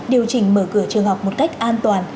điều chỉnh mở cửa trường học một cách an toàn